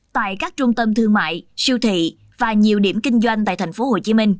tại các trung tâm thương mại siêu thị và nhiều điểm kinh doanh tại tp hcm